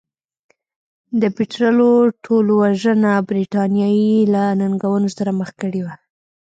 د پیټرلو ټولوژنه برېټانیا یې له ننګونو سره مخ کړې وه.